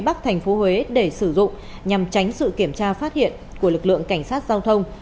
bắc thành phố huế để sử dụng nhằm tránh sự kiểm tra phát hiện của lực lượng cảnh sát giao thông